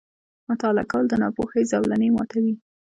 • مطالعه کول، د ناپوهۍ زولنې ماتوي.